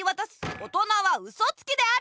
おとなはウソつきである！